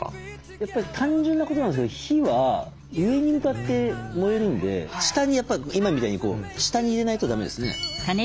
やっぱり単純なことなんですけど火は上に向かって燃えるんで今みたいに下に入れないとだめですね。